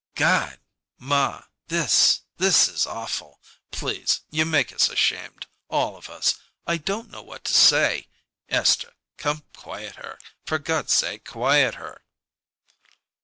"God! ma, this this is awful! Please you make us ashamed all of us! I don't know what to say. Esther, come quiet her for God's sake quiet her!"